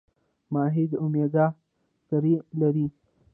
ماهي د اومیګا تري لري